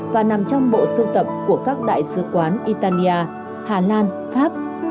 và nằm trong bộ sưu tập của các đại sứ quán italia hà lan pháp